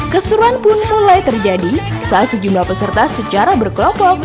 keseruan pun mulai terjadi saat sejumlah peserta secara berkelompok